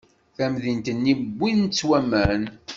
Tamdint-nni wwin-tt waman!